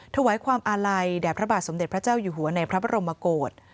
ถวายความอาลัยแด่พระบาทสมเด็จพระเจ้าอยู่หัวในพระบรมโกศ